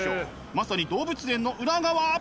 まさに動物園の裏側！